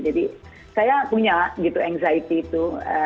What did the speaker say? jadi saya punya gitu anxiety itu